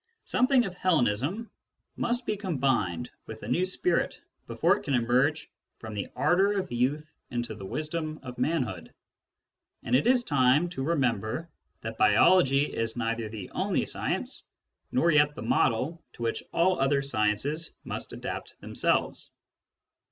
Some thing of Hellenism must be combined with the new spirit before it can emerge from the ardour of youth into the wisdom of manhood. And it is time to remember that biology is neither the only science, nor yet the model to which all other sciences must adapt themselves.